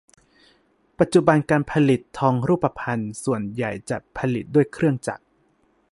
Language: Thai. ปัจจุบันการผลิตทองรูปพรรณส่วนใหญ่จะผลิตด้วยเครื่องจักร